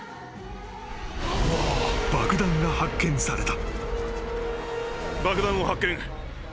［爆弾が発見された］